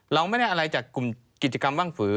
เราไม่ได้อะไรจากกลุ่มกิจกรรมว่างฝือ